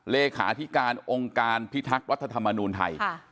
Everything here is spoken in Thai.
เลขาธิการองค์การพิทักษ์รัฐธรรมนูลไทย